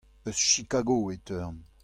Eus Chigago e teuan.